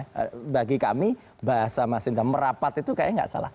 jadi bagi kami bahasa mas indra merapat itu kayaknya nggak salah